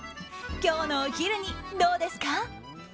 今日のお昼にどうですか？